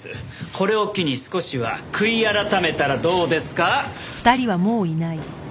これを機に少しは悔い改めたらどうですか？